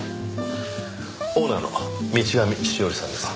オーナーの道上しおりさんです。